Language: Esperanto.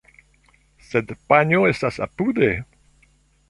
Sed panjo estas apude.